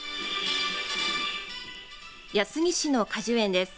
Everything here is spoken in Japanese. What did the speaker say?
安来市の果樹園です。